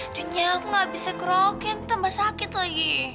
aduh niel gue gak bisa kelokin tambah sakit lagi